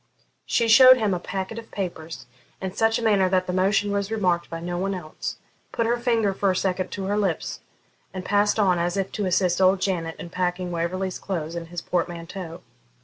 She showed him a packet of papers in such a manner that the motion was remarked by no one else, put her finger for a second to her lips, and passed on, as if to assist old Janet in packing Waverley's clothes in his portmanteau.